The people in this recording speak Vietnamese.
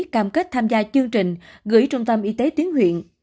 cam kết tham gia chương trình gửi trung tâm y tế tuyến huyện